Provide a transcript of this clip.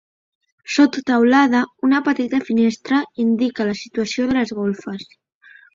Sota teulada, una petita finestra indica la situació de les golfes.